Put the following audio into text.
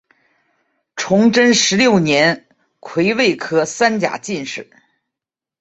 崇祯十六年癸未科三甲进士。